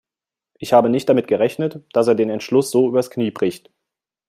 Ich habe nicht damit gerechnet, dass er den Entschluss so übers Knie bricht.